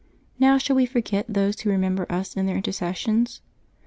Now should we forget those who remember us in their intercessions?